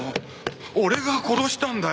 俺が殺したんだよ！